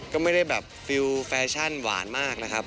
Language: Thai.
ก็ไม่ได้แบบฟิลแฟชั่นหวานมากนะครับ